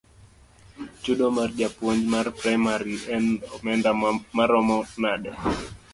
Chudo mar japuonj mar praimari en omenda maromo nade?